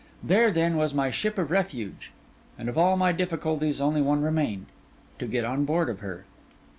There, then, was my ship of refuge; and of all my difficulties only one remained: to get on board of her.